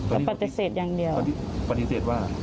แล้วปฏิเสธอย่างเดียวปฏิเสธว่า